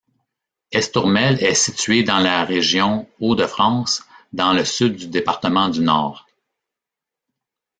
Estourmel est située dans la région Hauts-de-France, dans le sud du département du Nord.